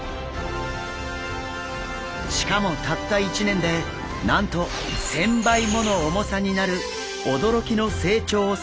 しかもたった１年でなんと１０００倍もの重さになる驚きの成長をする魚です。